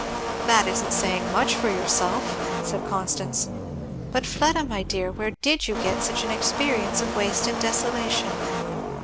"That isn't saying much for yourself," said Constance; "but Fleda my dear, where did you get such an experience of waste and desolation?"